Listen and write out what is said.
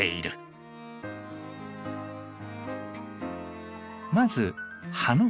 まず葉の形。